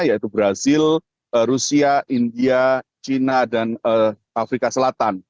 yaitu brazil rusia india china dan afrika selatan